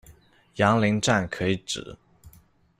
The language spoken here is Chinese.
杨林站可以指：